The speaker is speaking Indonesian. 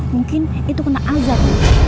mungkin itu kena azab